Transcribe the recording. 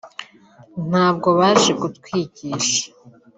ntabwo baje kutwigisha